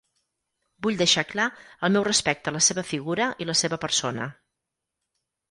Vull deixar clar el meu respecte a la seva figura i la seva persona.